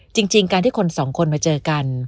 จริงการที่คนสองคนมาเจอกัน